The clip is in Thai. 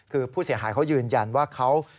คือผู้เสียหายเขายืนยันว่าเขา